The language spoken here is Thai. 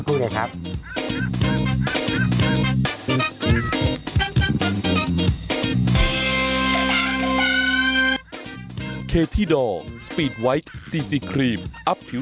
กุ้งเลยครับ